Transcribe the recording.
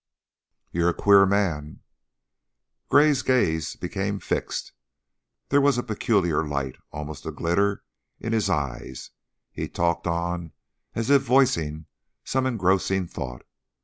"You're a queer man." Gray's gaze became fixed; there was a peculiar light almost a glitter in his eyes; he talked on as if voicing some engrossing thought.